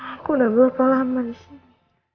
aku udah berapa lama disini